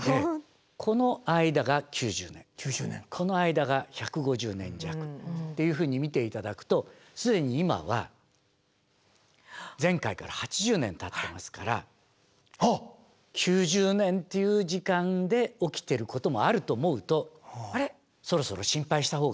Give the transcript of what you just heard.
この間が９０年この間が１５０年弱っていうふうに見て頂くと既に今は前回から８０年たってますから９０年っていう時間で起きてることもあると思うとそうですね